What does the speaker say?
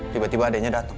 tiba tiba adiknya datang